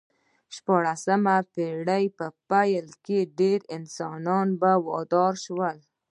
د شپاړسمې پېړۍ په پیل کې ډېر انسانان په دار شول